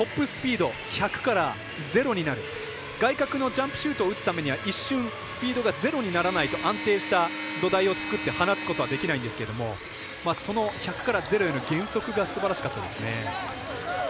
スピード１００から０になる外角のジャンプシュートを打つためには一瞬、スピードがゼロにならないと安定した土台を作って放つことはできないんですけど１００から０への減速がすばらしかったですね。